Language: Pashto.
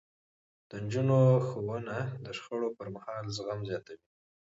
د نجونو ښوونه د شخړو پرمهال زغم زياتوي.